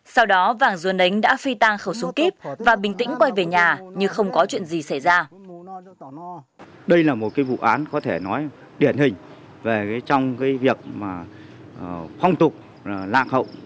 sau đó vàng dua nánh đã phi tang khẩu súng kíp và bình tĩnh quay về nhà như không có chuyện gì xảy ra